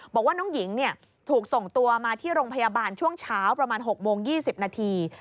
บอกว่าน้องหญิงถูกส่งตัวมาที่โรงพยาบาลช่วงเช้าประมาณ๖โมง๒๐นาที